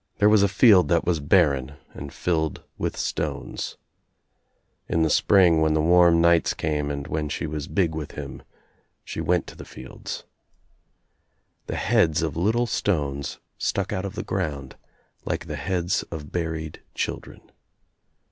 »There was a field that was barren and filled with stones. In the spring when the warm nights came and Lwhen she was big with him she went to the fields. The 170 THE TRIUMPH OF THE EGG heads of little stones stuck out of the ground like the heads of burled children.